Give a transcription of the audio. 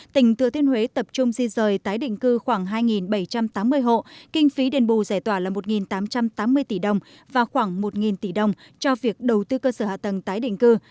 tỉnh thừa thiên huế tập trung di rời tái định cư khoảng hai bảy trăm tám mươi hộ kinh phí đền bù giải tỏa là một tám trăm tám mươi tỷ đồng và khoảng một tỷ đồng cho việc đầu tư cơ sở hạ tầng tái định cư